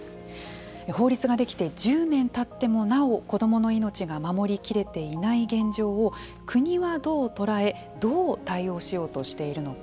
法律ができて１０年たってもなお子どもの命が守りきれていない現状を国はどう捉えどう対応しようとしているのか。